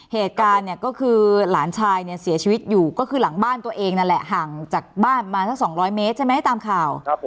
เหตุการณ์เนี่ยก็คือหลานชายเนี่ยเสียชีวิตอยู่ก็คือหลังบ้านตัวเองนั่นแหละห่างจากบ้านมาสัก๒๐๐เมตรใช่ไหมตามข่าว